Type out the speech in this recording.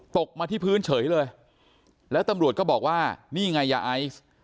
ตกมาที่พื้นเฉยเลยแล้วตำรวจก็บอกว่านี่ไงยาไอซ์